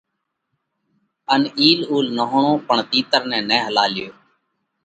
ان اِيل اُول نهوڻو پڻ تِيتر نہ هلاليو